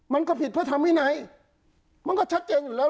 มันก็ผิดพระธรรมวินัยมันก็ชัดเจนอยู่แล้ว